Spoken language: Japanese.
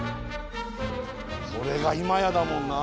それが今やだもんな。